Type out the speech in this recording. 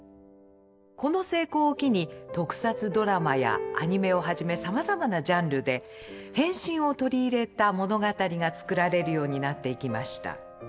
この成功を機に特撮ドラマやアニメをはじめさまざまなジャンルで変身を取り入れた物語が作られるようになっていきました。